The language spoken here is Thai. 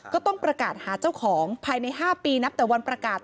ก็ต้องประกาศหาเจ้าของภายใน๕ปีนับแต่วันประกาศ